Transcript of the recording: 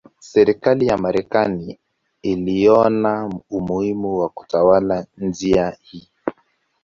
Serikali ya Marekani iliona umuhimu wa kutawala njia hii.